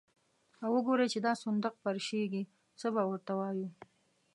او وګوري چې دا صندوق پرشېږي، څه به ور ته وایو.